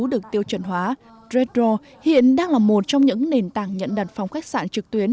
được tiêu chuẩn hóa reddor hiện đang là một trong những nền tảng nhận đặt phòng khách sạn trực tuyến